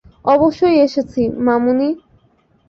অবশ্যই এসেছি, মামুনি।